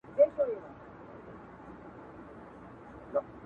د بدها سپېځلي روح ته يې خراج کړم